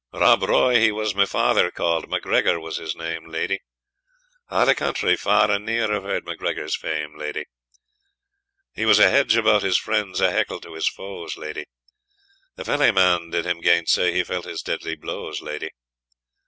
Rob Roy he was my father called, MacGregor was his name, lady; A' the country, far and near, Have heard MacGregor's fame, lady. He was a hedge about his friends, A heckle to his foes, lady; If any man did him gainsay, He felt his deadly blows, lady.